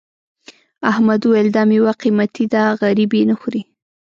احمد وویل دا میوه قيمتي ده غريب یې نه خوري.